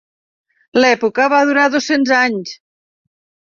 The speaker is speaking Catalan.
L'època va durar dos-cents anys.